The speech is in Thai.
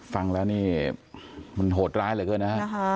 ฟังแล้วนี่มันโหดร้ายเหลือเกินนะฮะ